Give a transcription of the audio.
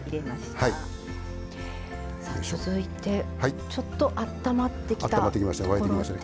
続いて、ちょっとあったまってきたところですね。